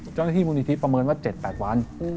เจ้าหน้าที่มูลนิธิประเมินว่า๗๘วัน